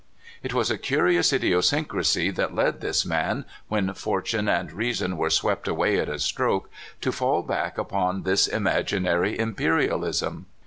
It was a curious idiosyncrasy that led this man, when fortune and reason were swept away at a stroke, to fall back upon this imaginary imperialism.